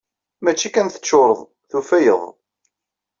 Mačči kan teččureḍ. Tufayeḍ.